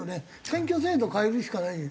選挙制度変えるしかないよ。